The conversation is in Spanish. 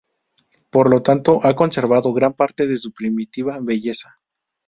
Por lo tanto, ha conservado gran parte de su primitiva belleza.